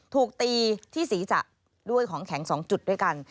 ถูกตีที่ศีรษะด้วยของแข็ง๒จุดด้วยกัน